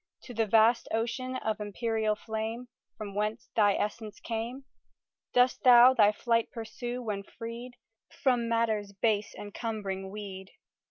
To the vast ocean of empyreal flame, From whence thy essence came, Dost thou thy flight pursue, when freed From matter's base encumbering weed?